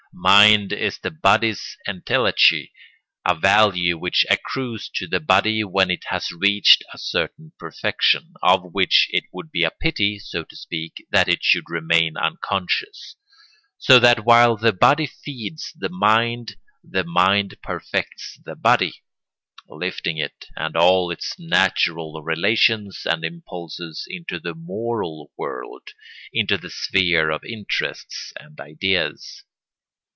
Mind is the body's entelechy, a value which accrues to the body when it has reached a certain perfection, of which it would be a pity, so to speak, that it should remain unconscious; so that while the body feeds the mind the mind perfects the body, lifting it and all its natural relations and impulses into the moral world, into the sphere of interests and ideas.